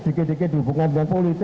dikit dikit dihubungkan dengan politik